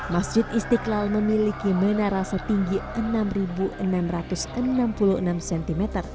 masjid istiqlal memiliki menara setinggi enam enam ratus enam puluh enam cm